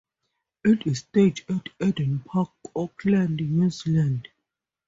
It is staged at Eden Park, Auckland, New Zealand.